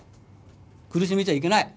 苦しめちゃいけない。